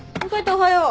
おはよう。